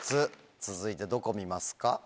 続いてどこ見ますか？